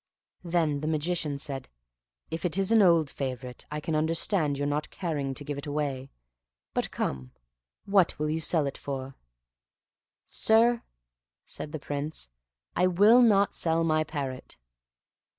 Then the Magician said, "If it is an old favorite, I can understand your not caring to give it away; but come, what will you sell it for?" "Sir," said the Prince, "I will not sell my parrot."